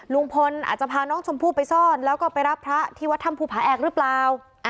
ลุงพลอาจจะพาน้องชมพู่ไปซ่อนแล้วก็ไปรับพระที่วัดถ้ำภูผาแอกหรือเปล่า